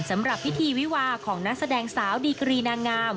สำหรับพิธีวิวาของนักแสดงสาวดีกรีนางงาม